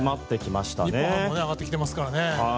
日本ハムも上がってきていますからね。